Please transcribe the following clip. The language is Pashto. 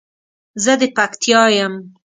زه د پکتیا یم